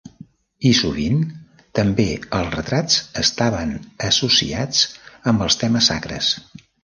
I sovint, també els retrats estaven associats amb els temes sacres.